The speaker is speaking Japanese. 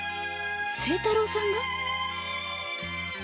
清太郎さんが？